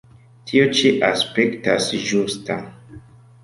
Tio ĉi aspektas ĝusta.